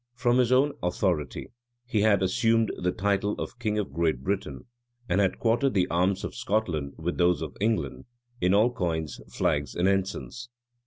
From his own authority, he had assumed the title of king of Great Britain; and had quartered the arms of Scotland with those of England, in all coins, flags, and ensigns.